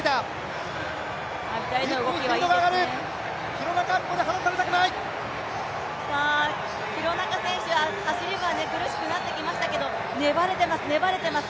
廣中、ここで離されたくない廣中選手、走りが苦しくなってきましたけれども、粘れてます、粘れてます